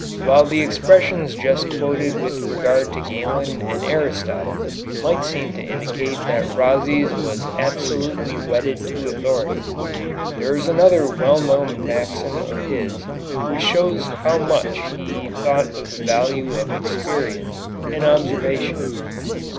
While the expressions just quoted with regard to Galen and Aristotle might seem to indicate that Rhazes was absolutely wedded to authority, there is another well known maxim of his which shows how much he thought of the value of experience and observation.